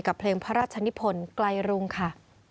เพลงพระราชนิพลไกลรุงค่ะ